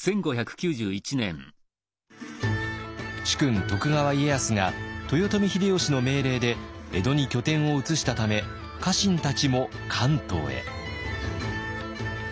主君徳川家康が豊臣秀吉の命令で江戸に拠点を移したため家臣たちも関東へ。